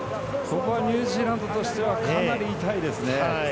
ニュージーランドとしてはかなり痛いですね。